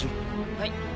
はい。